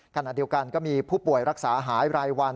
ขณะเดียวกันก็มีผู้ป่วยรักษาหายรายวัน